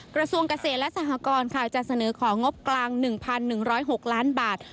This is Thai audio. กระทรวงเกษตรและสหกรจะเสนอของงบกลาง๑๑๐๖ล้านบาท